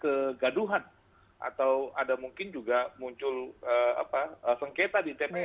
kegaduhan atau ada mungkin juga muncul sengketa di tps